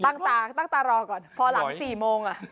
ตั้งตาตั้งตารอก่อนพอหลัง๔โมง